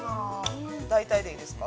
◆大体でいいですか。